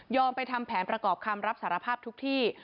ไปทำแผนประกอบคำรับสารภาพทุกที่